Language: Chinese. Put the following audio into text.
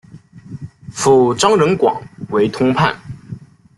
父张仁广为通判。